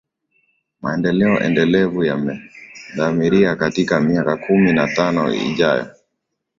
Maendeleo endelevu yamedhamiria katika miaka kumi na tano ijayo